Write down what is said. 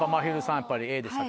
やっぱりＡでしたか。